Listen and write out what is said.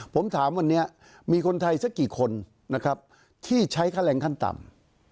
ผมถามวันนี้มีคนไทยสักกี่คนนะครับที่ใช้ค่าแรงขั้นต่ำ